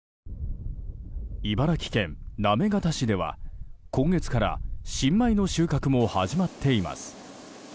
茨城県行方市では今月から新米の収穫も始まっています。